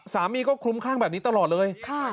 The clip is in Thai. สามีก็คลุ้มข้างแบบนี้ตลอดเลย